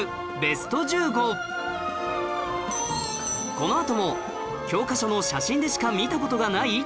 このあとも教科書の写真でしか見た事がない！？